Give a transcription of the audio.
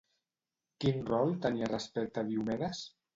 Quin rol tenia respecte a Diomedes?